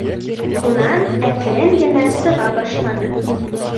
Унан әкрен генә сыға башланы.